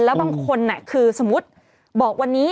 แล้วบางคนคือสมมุติบอกวันนี้